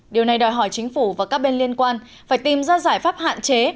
điều này đòi hỏi chính phủ và các bên liên quan phải tìm ra giải pháp hạn chế